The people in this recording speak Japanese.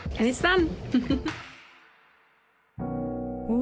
お！